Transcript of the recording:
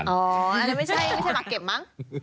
อ๋ออันนั้นไม่ใช่มาเก็บมั้ง